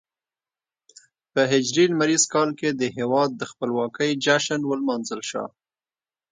په هجري لمریز کال کې د هېواد د خپلواکۍ جشن ولمانځل شو.